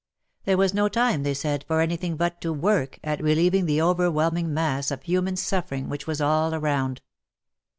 There was no time, they said, for anything but to work at relieving the overwhelming mass of human suffering which was all around.